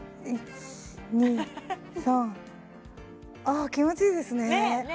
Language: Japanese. あ気持ちいいですねえ